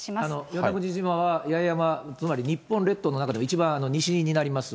与那国島は八重山、つまり日本列島の中で一番西になります。